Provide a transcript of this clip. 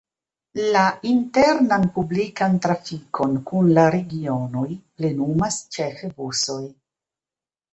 La internan publikan trafikon kun la regionoj plenumas ĉefe busoj.